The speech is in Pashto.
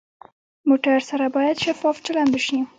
موټر سره باید شفاف چلند وشي.